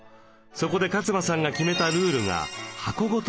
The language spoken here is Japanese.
そこで勝間さんが決めたルールが。